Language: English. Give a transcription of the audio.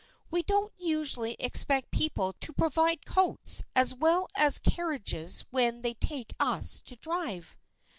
" We don't usually expect people to provide coats as well as carriages when they take us to drive."